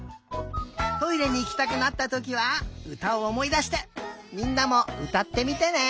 トイレにいきたくなったときはうたをおもいだしてみんなもうたってみてね！